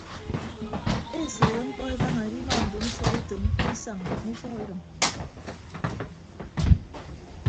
Eseehe mkpọ ebaña edinọ mbon ufọkutom mkpọisañ mme ufọkidʌñ.